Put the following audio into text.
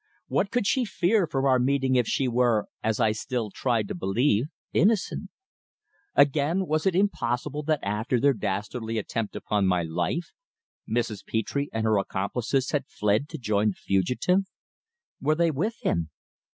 What could she fear from our meeting if she were, as I still tried to believe, innocent? Again, was it possible that after their dastardly attempt upon my life, Mrs. Petre and her accomplices had fled to join the fugitive? Were they with him?